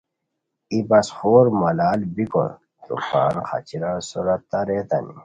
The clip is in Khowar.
ای بس خور ملال بیکو تروپان خاچیران سورا تاریتانی